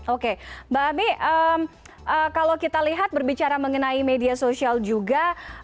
oke mbak ami kalau kita lihat berbicara mengenai media sosial juga